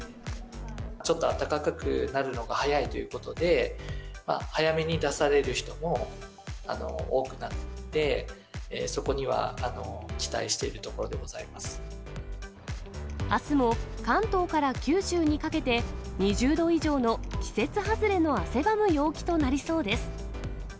ちょっと暖かくなるのが早いということで、早めに出される人も多くなって、そこには期待しているところでごあすも、関東から九州にかけて、２０度以上の季節外れの汗ばむ陽気となりそうです。